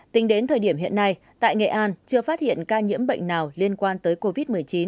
tính đến thời điểm hiện nay tại nghệ an chưa phát hiện ca nhiễm bệnh nào liên quan tới covid một mươi chín